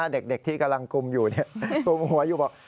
เด็กที่กำลังกุมอยู่กลุ่มหัวอยู่บอก